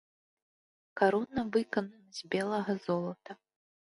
Карона выканана з белага золата.